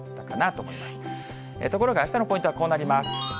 ところが、あしたのポイントはこうなります。